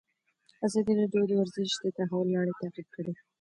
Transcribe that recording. ازادي راډیو د ورزش د تحول لړۍ تعقیب کړې.